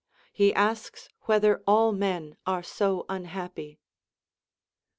He asks whether all men are so unhappy.